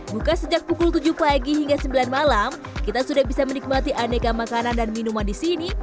buka sejak pukul tujuh pagi hingga sembilan malam kita sudah bisa menikmati aneka makanan dan minuman di sini